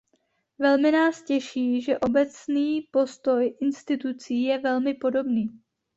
Velmi nás těší, že obecný postoj institucí je velmi podobný.